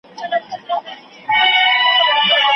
چي ژوندي پر اور کړیږي او وریتیږي